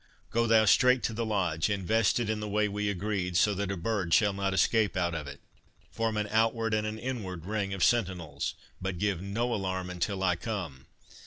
Go thou straight to the Lodge—invest it in the way we agreed, so that a bird shall not escape out of it—form an outward and an inward ring of sentinels, but give no alarm until I come.